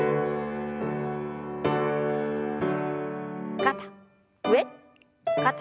肩上肩下。